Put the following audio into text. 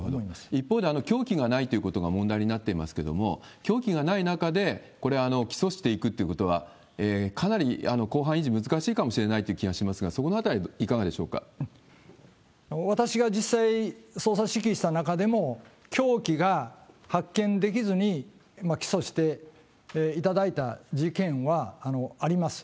一方で、凶器がないということが問題になっていますけれども、凶器がない中でこれ、起訴していくということは、かなり公判維持難しいかもしれないという気がしますが、そこのあ私が実際、捜査指揮した中でも、凶器が発見できずに起訴していただいた事件はあります。